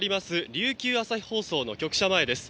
琉球朝日放送の局舎前です。